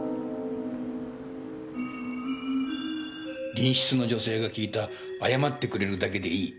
隣室の女性が聞いた「謝ってくれるだけでいい」。